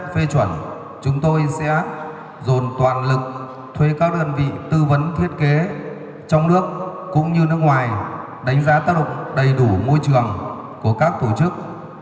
phê chuẩn chúng tôi sẽ dồn toàn lực thuê các đơn vị tư vấn thiết kế trong nước cũng như nước ngoài đánh giá tác động đầy đủ môi trường của các tổ chức